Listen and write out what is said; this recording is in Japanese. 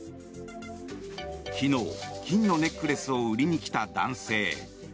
昨日、金のネックレスを売りに来た男性。